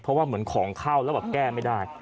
เพราะว่าเหมือนของเข้าแล้วแบบแก้ไม่ได้